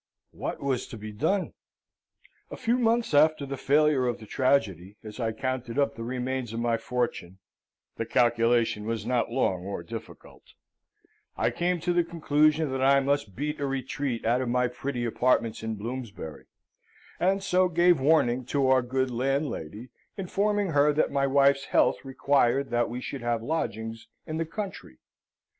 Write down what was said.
What was to be done? A few months after the failure of the tragedy, as I counted up the remains of my fortune (the calculation was not long or difficult), I came to the conclusion that I must beat a retreat out of my pretty apartments in Bloomsbury, and so gave warning to our good landlady, informing her that my wife's health required that we should have lodgings in the country.